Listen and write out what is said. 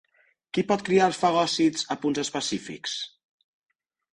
Qui pot cridar als fagòcits a punts específics?